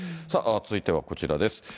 続いてはこちらです。